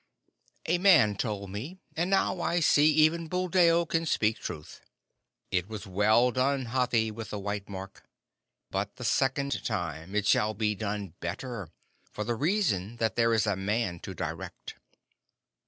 "A man told me, and now I see even Buldeo can speak truth. It was well done, Hathi with the white mark; but the second time it shall be done better, for the reason that there is a man to direct.